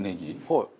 はい。